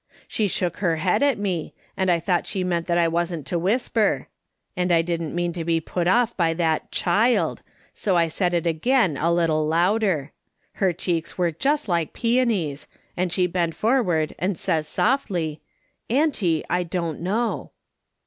She shook her head at me, and I thought she meant that I wasn't to whisper ; and I didn't mean to be put off by that child, so I said it again a little louder. Her cheeks were just like peonies, and she bent forward, and says she softly :"' Auntie, I don't know.'